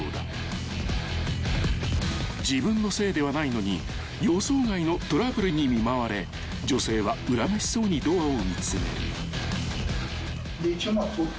［自分のせいではないのに予想外のトラブルに見舞われ女性は恨めしそうにドアを見詰める］